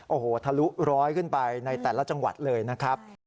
โอ้โหทะลุร้อยขึ้นไปในแต่ละจังหวัดเลยนะครับ